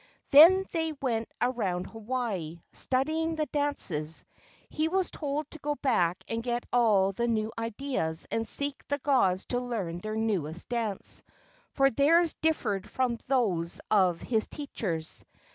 Then they went around Hawaii, studying the dances. He was told to go back and get all the new ideas and seek the gods to learn their newest dance, for theirs differed from those of his teach¬ ers.